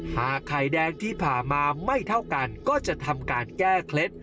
หากไข่แดงที่ผ่ามาไม่เท่ากันก็จะทำการแก้เคล็ด